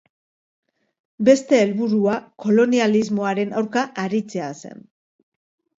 Beste helburua kolonialismoaren aurka aritzea zen.